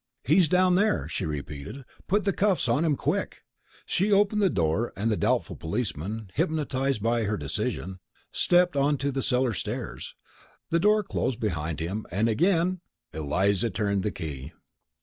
"He's down there," she repeated; "put the cuffs on him, quick!" She opened the door, and the doubtful policeman, hypnotized by her decision, stepped on to the cellar stairs. The door closed behind him, and again Eliza turned the key.